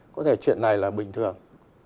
có thể chuyện này là bình thường